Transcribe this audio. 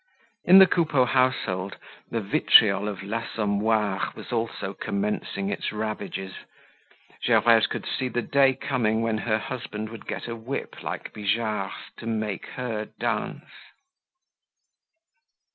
In the Coupeau household the vitriol of l'Assommoir was also commencing its ravages. Gervaise could see the day coming when her husband would get a whip like Bijard's to make her dance.